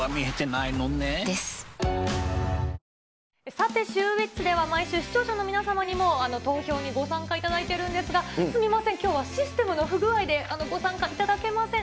さて、シューＷｈｉｃｈでは毎週、視聴者の皆様にも投票にご参加いただいているんですが、すみません、きょうはシステムの不具合でご参加いただけません。